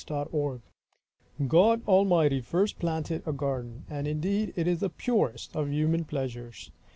Of Gardens GOD Almighty first planted a garden. And indeed it is the purest of human pleasures.